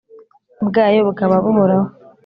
Bwayo bukaba buhoraho